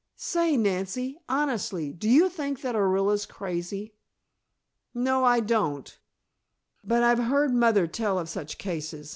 Say, Nancy, honestly, do you think that Orilla's crazy?" "No, I don't. But I've heard mother tell of such cases.